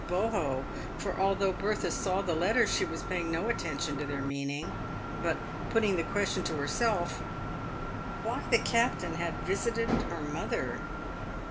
oho ; for although Bertha saw the letters she was paying no attention to their meaning, but putting the question to herself, why the captain had visited her mother